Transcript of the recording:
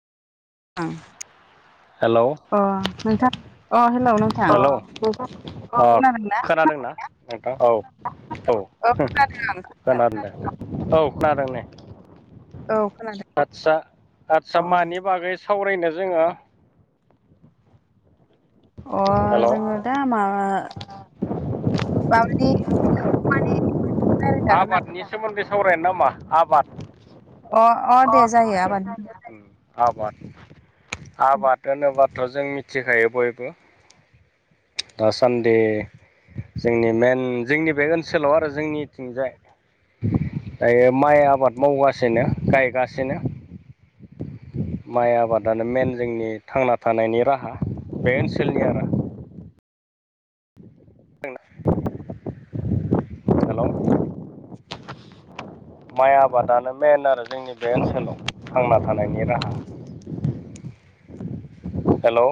औ hello hello अ खोनादोंना नोंथां औ औ खोनादों औ खोनादों नै आदसा आदसा मानि बागै सावरायनो जोङो अ जोंङो दा माबा मावजि मानि आबादनि सोमोन्दै सावराय नामा आबाद अ नोंथां दे जायो आबाद आबाद होनोबाथ' जों मिथिखायो बयबो दा सानदि जोंनि मेन जोंनि बे ओनसोलाव आरो जोंनि थिंजाय दायो माइ आबाद मावगासिनो गायगासिनो माइ आबादानो मेन जोंनि थांना थानायनि राहा बे ओनसोलनि आरो हेलौ माइ आबादानो मइेन आरो जोंनि बे ओनसोलाव थांना थानायनि राहा। हेलौ